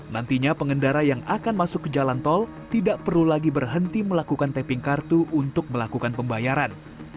nantinya pengendara yang akan masuk ke jalan tol tidak perlu lagi berhenti melakukan tapping kartu untuk melakukan pembayaran